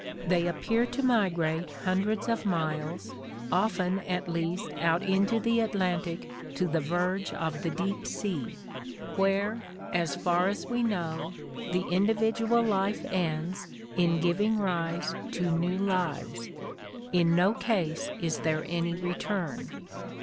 They appear to migrate hundreds of miles, often at least out into the Atlantic to the verge of the deep sea, where, as far as we know, the individual life ends in giving rise to new lives. In no case is there any return."